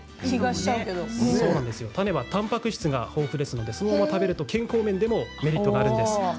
種はたんぱく質が豊富なので、そのまま食べると健康面のメリットもあります。